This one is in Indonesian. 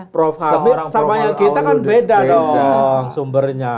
sama yang kita kan beda dong sumbernya